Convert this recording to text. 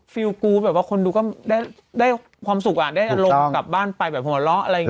ฟิลกู๊แบบว่าคนดูก็ได้ความสุขอ่ะได้อารมณ์กลับบ้านไปแบบหัวเราะอะไรอย่างนี้